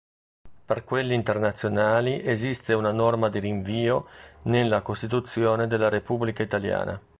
Per quelli internazionali esiste una norma di rinvio nella Costituzione della Repubblica italiana.